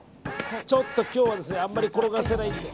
ちょっと今日はあんまり転がせないんで。